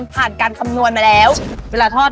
ไฟอ่อนแค่ไหน